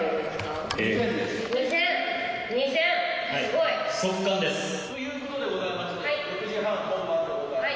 改めて。ということでございまして６時半本番でございます。